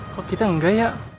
kok kita gak ya